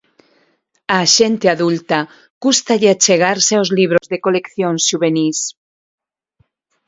Á xente adulta cústalle achegarse aos libros de coleccións xuvenís.